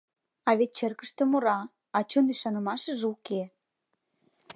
А вет черкыште мура, а чын ӱшанымашыже уке!